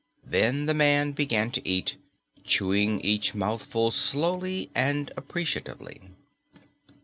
Then the man began to eat, chewing each mouthful slowly and appreciatively.